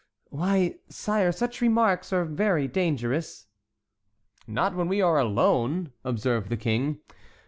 "Why, sire, such remarks are very dangerous." "Not when we are alone," observed the king.